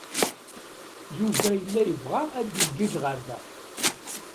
Yuba yella yebɣa ad d-igiǧǧ ɣer da.